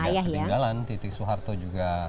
dan tidak ketinggalan titi soeharto juga